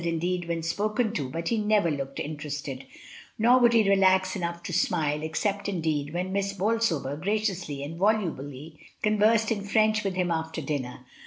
259 indeed, when spoken to, but lie never looked in terested, nor would he relax enough to smile, ex cept, indeed, when Miss Bolsover graciously and volubly conversed in French with him after dinner.